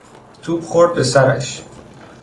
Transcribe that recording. توپ خورد به سرش.